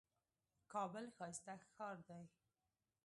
کابل ښايسته ښار دئ.